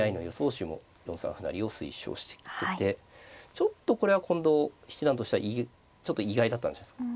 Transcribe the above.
手も４三歩成を推奨しててちょっとこれは近藤七段としてはちょっと意外だったんじゃないですか。